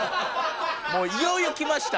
もういよいよきました。